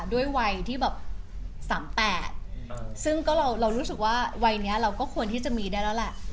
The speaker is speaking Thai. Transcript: ด้วยวัยที่แบบ๓๘ซึ่งก็เรารู้สึกว่าวัยนี้เราก็ควรที่จะมีได้แล้วแหละ